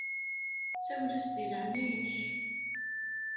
Sawel-as di leɛnaya-k.